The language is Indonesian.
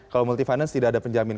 kalau multi finance tidak ada penjamin